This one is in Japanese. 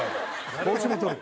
帽子も取る。